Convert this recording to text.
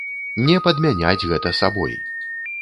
Не падмяняць гэта сабой!